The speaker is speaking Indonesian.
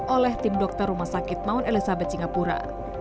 oleh tim dokter rumah sakit mauun elizabeth singapura